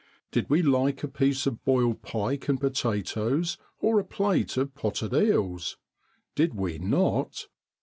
Did we like apiece of boiled pike and potatoes or a plate of potted eels? Did we not?